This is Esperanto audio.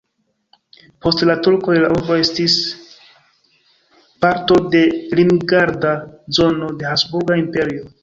Post la turkoj la urbo estis parto de limgarda zono de Habsburga Imperio.